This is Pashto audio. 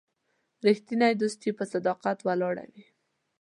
رښتینی دوستي په صداقت ولاړه وي.